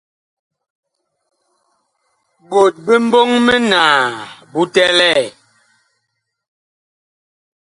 Ɓot bi mbɔŋ minaa bu bi tɛlɛɛ.